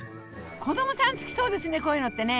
子どもさん好きそうですねこういうのってね。